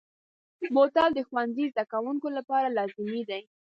بوتل د ښوونځي زده کوونکو لپاره لازمي دی.